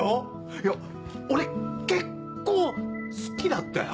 いや俺結構好きだったよ。